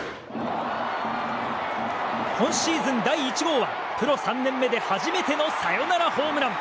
今シーズン第１号はプロ３年目で初めてのサヨナラホームラン。